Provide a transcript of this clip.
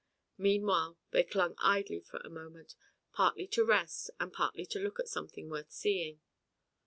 Meanwhile they clung idly for a moment, partly to rest and partly to look at something worth seeing.